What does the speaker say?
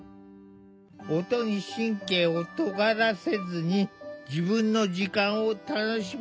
音に神経をとがらせずに自分の時間を楽しめるようになった。